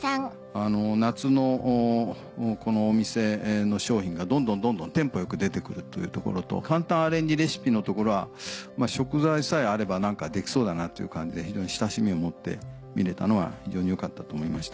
夏のこのお店の商品がどんどんどんどんテンポ良く出てくるというところと簡単アレンジレシピのところは食材さえあればできそうだなっていう感じで非常に親しみを持って見れたのは非常によかったと思いました。